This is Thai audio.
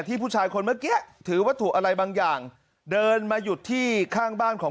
ผู้ชายคนเมื่อกี้ถือวัตถุอะไรบางอย่างเดินมาหยุดที่ข้างบ้านของ